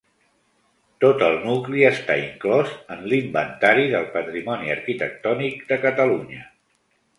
Tot el nucli està inclòs en l'Inventari del Patrimoni Arquitectònic de Catalunya.